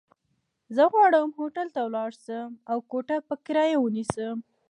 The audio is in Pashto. زه غواړم هوټل ته ولاړ شم، او کوټه په کرايه ونيسم.